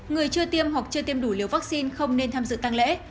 người chưa tiêm hoặc chưa tiêm đủ liều vaccine không nên tham dự tăng lễ